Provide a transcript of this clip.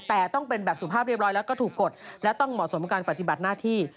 แต่ต้องเป็นแบบสุภาพเรียบร้อยแล้วก็ถูกกดและต้องเหมาะสมกับการปฏิบัติหน้าที่